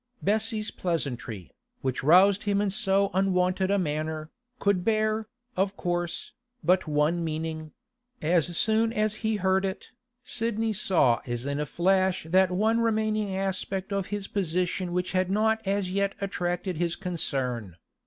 Bessie's pleasantry, which roused him in so unwonted a manner, could bear, of course, but one meaning; as soon as he heard it, Sidney saw as in a flash that one remaining aspect of his position which had not as yet attracted his concern.